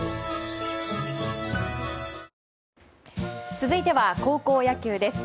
続いては高校野球です。